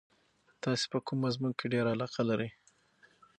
تاسې په کوم مضمون کې ډېره علاقه لرئ؟